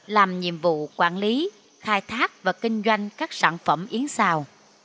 làm nhiệm vụ quản lý khai thác và kinh doanh các sản phẩm yến xào